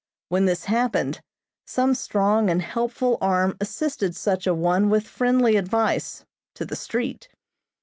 When this happened some strong and helpful arm assisted such a one with friendly advice, to the street.